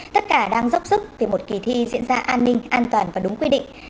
tất cả đang dốc dứt về một kỳ thi diễn ra an ninh an toàn và đúng quy định